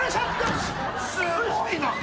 すごいな。